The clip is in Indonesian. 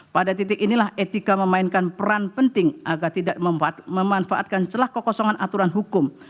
pada titik inilah etika memainkan peran penting agar tidak memanfaatkan celah kekosongan aturan hukum